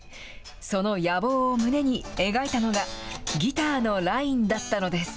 その野望を胸に描いたのが、ギターのラインだったのです。